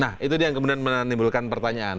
nah itu dia yang kemudian menimbulkan pertanyaan